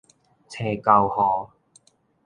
青猴雨